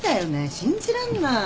信じらんない。